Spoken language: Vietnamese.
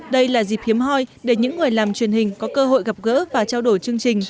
đây là dịp hiếm hoi để những người làm truyền hình có cơ hội gặp gỡ và trao đổi chương trình